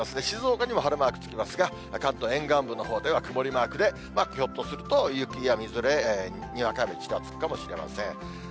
静岡にも晴れマークつきますが、関東沿岸部のほうでは曇りマークで、ひょっとすると、雪やみぞれ、にわか雨、ちらつくかもしれません。